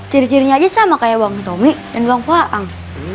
ciri cirinya aja sama kayak bang tommy dan bang waang